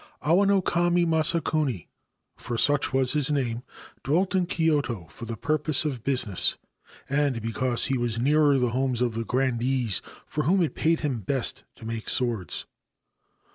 Awanokami Masakuni — for such was his name — felt in Kyoto for the purpose of business, and because was nearer the homes of the grandees, for whom paid him best to make swords.